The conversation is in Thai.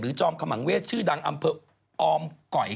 จอมขมังเวศชื่อดังอำเภอออมก่อย